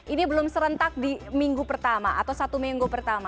ini belum serentak di minggu pertama atau satu minggu pertama